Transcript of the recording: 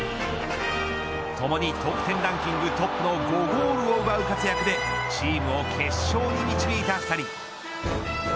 ともに得点ランキングトップの５ゴールを奪う活躍でチームを決勝に導いた２人。